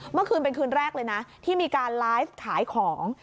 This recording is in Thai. เมื่อคืนเป็นคืนแรกเลยนะที่มีการไลฟ์ขายของ